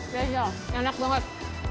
biasa enak banget